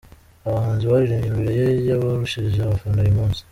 Abahanzi baririmbye mbere ye yabarushije abafana uyu munsi